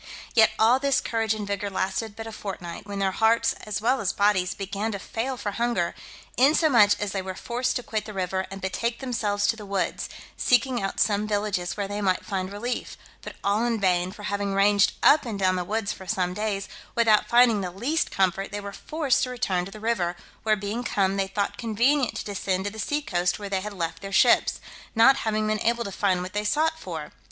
Yet all this courage and vigour lasted but a fortnight, when their hearts, as well as bodies, began to fail for hunger; insomuch as they were forced to quit the river, and betake themselves to the woods, seeking out some villages where they might find relief, but all in vain; for having ranged up and down the woods for some days, without finding the least comfort, they were forced to return to the river, where being come, they thought convenient to descend to the sea coast where they had left their ships, not having been able to find what they sought for.